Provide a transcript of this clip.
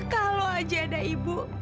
kalau saja ada ibu